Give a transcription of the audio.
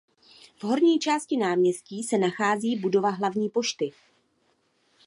V horní části náměstí se nachází budova hlavní pošty.